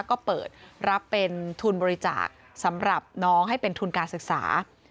ก็เปิดรับเป็นทุนบริจาคสำหรับน้องให้เป็นทุนการศึกษา